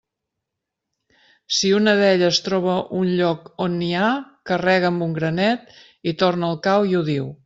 Si una d'elles troba un lloc on n'hi ha, carrega amb un granet i torna al cau i ho diu.